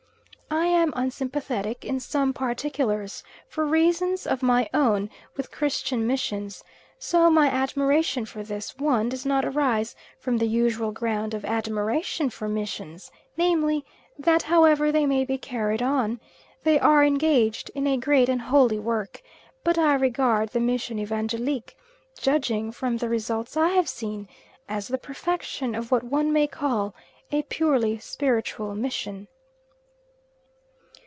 I am unsympathetic, in some particulars, for reasons of my own, with Christian missions, so my admiration for this one does not arise from the usual ground of admiration for missions, namely, that however they may be carried on, they are engaged in a great and holy work; but I regard the Mission Evangelique, judging from the results I have seen, as the perfection of what one may call a purely spiritual mission.